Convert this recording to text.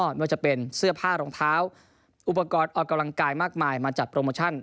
ไม่ว่าจะเป็นเสื้อผ้ารองเท้าอุปกรณ์ออกกำลังกายมากมายมาจัดโปรโมชั่น